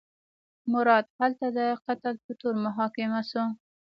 مراد هلته د قتل په تور محاکمه شو.